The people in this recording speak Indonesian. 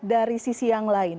dari sisi yang lain